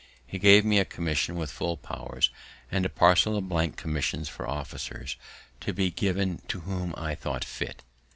He gave me a commission with full powers, and a parcel of blank commissions for officers, to be given to whom I thought fit.